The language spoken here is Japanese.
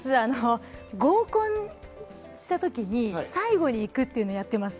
合コンしたときに最後に行くというのをやっていました。